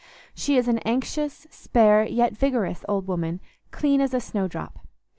She is an anxious, spare, yet vigorous old woman, clean as a snowdrop.